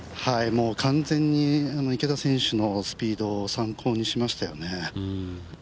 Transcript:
完全に池田選手のスピードを参考にしましたよね。